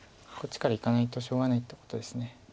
こっちからいかないとしょうがないってことです。